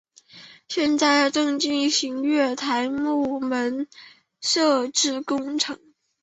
现在正进行月台幕门设置工程。